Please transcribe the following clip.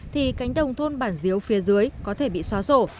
thì cánh đồng thôn bản diếu phía dưới có thể bị xóa rổ